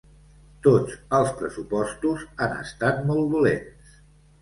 Tots els pressupostos han estat molt dolents.